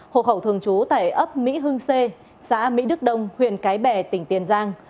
hộ khẩu thường trú tại ấp mỹ hưng c xã mỹ đức đông huyện cái bè tỉnh tiền giang